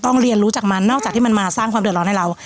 เรียนรู้จากมันนอกจากที่มันมาสร้างความเดือดร้อนให้เรา